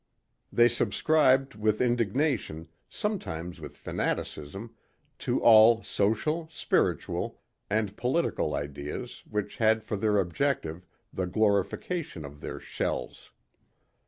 They subscribed with indignation, sometimes with fanaticism, to all social, spiritual and political ideas which had for their objective the glorification of their shells.